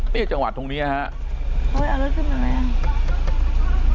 นี่จังหวัดทุ่งเนี้ยฮะเฮ้ยเอารถขึ้นไปไหนอ่ะ